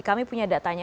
kami punya datanya